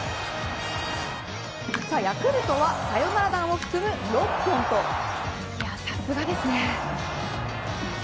さあヤクルトはサヨナラ弾を作る６本といや、さすがですね。